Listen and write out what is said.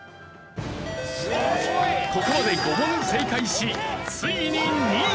ここまで５問正解しついに２位！